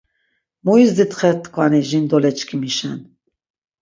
Muizdit xetkvani jindoleçkimişen!